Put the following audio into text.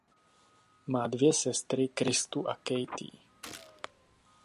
Má dvě sestry Kristu a Katie.